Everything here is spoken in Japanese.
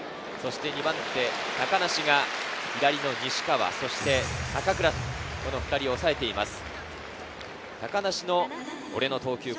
２番手・高梨が左の西川、そして坂倉、この２人を抑えています。